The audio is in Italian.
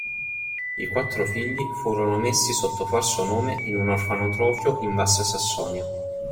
I quattro figli furono messi sotto falso nome in un orfanotrofio in Bassa Sassonia.